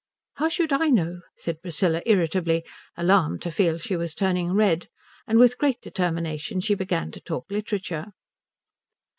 "How should I know?" said Priscilla, irritably, alarmed to feel she was turning red; and with great determination she began to talk literature.